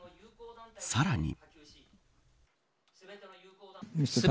さらに。